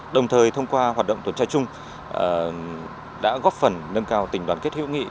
đồng thời thông qua hoạt động tuần tra chung đã góp phần nâng cao tình đoàn kết hữu nghị